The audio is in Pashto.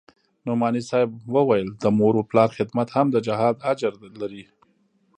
نعماني صاحب وويل د مور و پلار خدمت هم د جهاد اجر لري.